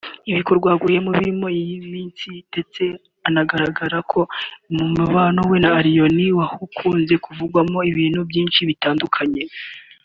ibikorwa ahugiyemo muri iyi minsi ndetse anagaruka ku mubano we na Allioni wakunze kuvugwaho ibintu byinshi bitandukanye